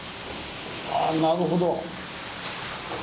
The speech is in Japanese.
あなるほど。